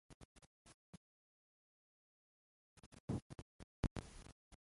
دوی پیسې مصرفوي او سودا کوي.